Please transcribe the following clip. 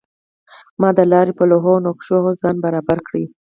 ما د لارې په لوحو او نقشو ځان برابر کړ.